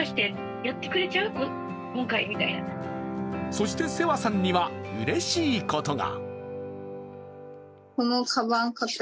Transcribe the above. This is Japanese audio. そして世和さんにはうれしいことが。